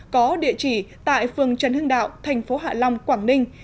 có địa chỉ tại phường trần hưng đạo thành phố hạ long quảng ninh